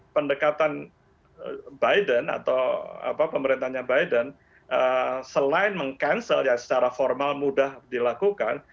pendekatan biden atau pemerintahnya biden selain meng cancel ya secara formal mudah dilakukan